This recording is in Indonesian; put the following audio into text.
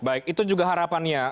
baik itu juga harapannya